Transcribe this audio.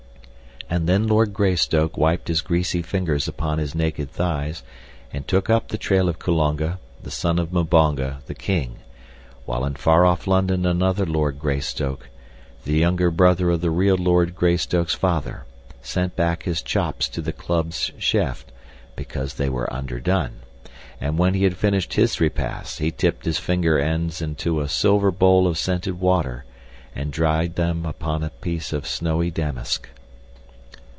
And then Lord Greystoke wiped his greasy fingers upon his naked thighs and took up the trail of Kulonga, the son of Mbonga, the king; while in far off London another Lord Greystoke, the younger brother of the real Lord Greystoke's father, sent back his chops to the club's chef because they were underdone, and when he had finished his repast he dipped his finger ends into a silver bowl of scented water and dried them upon a piece of snowy damask.